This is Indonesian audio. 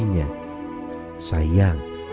kakinya tidak kunjung sembuh